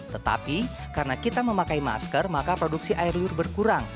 tetapi karena kita memakai masker maka produksi air lur berkurang